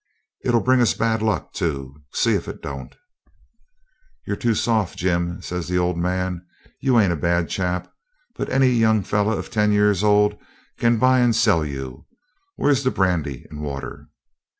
It'll bring us bad luck, too; see if it don't.' 'You're too soft, Jim,' says the old man. 'You ain't a bad chap; but any young fellow of ten years old can buy and sell you. Where's that brandy and water?'